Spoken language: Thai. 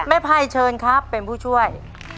แม่ไพเชิญครับเป็นผู้ช่วย